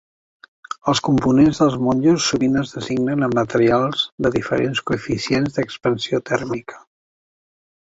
Els components dels motllos sovint es designen amb materials de diferents coeficients d'expansió tèrmica.